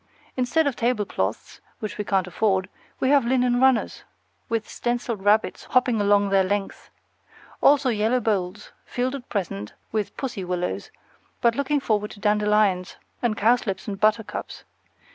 Instead of tablecloths, which we can't afford, we have linen runners, with stenciled rabbits hopping along their length. Also yellow bowls, filled at present with pussywillows, but looking forward to dandelions and cowslips and buttercups.